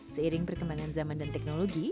seiring perkembangan zaman dan teknologi